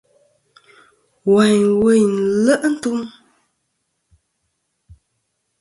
Wayn weyn nle' ntum.